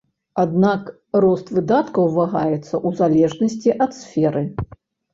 Аднак рост выдаткаў вагаецца ў залежнасці ад сферы.